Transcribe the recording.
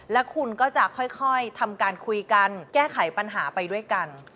และคุณก็จะค่อยทำการคุยกันแก้ไขปัญหาไปด้วยกัน